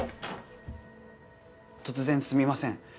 突然すみません。